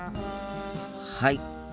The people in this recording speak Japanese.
はい。